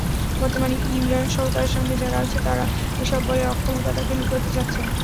বর্তমানে ইমরানসহ তার সঙ্গে যারা আছে, তারা এসব বলে অক্ষমতাটাকে লুকাতে চাচ্ছে।